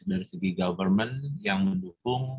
dari government yang mendukung